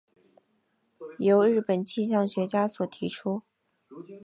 由日本气象学家所提出。